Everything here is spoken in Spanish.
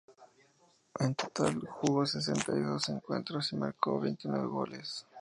En total, jugó sesenta y dos encuentros y marcó veintinueve goles.